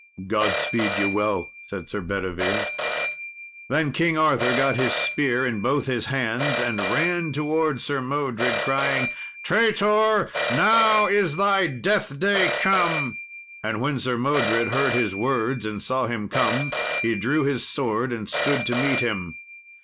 "God speed you well," said Sir Bedivere. Then King Arthur got his spear in both his hands, and ran towards Sir Modred, crying, "Traitor, now is thy death day come!" And when Sir Modred heard his words, and saw him come, he drew his sword and stood to meet him.